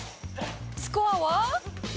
「スコアは」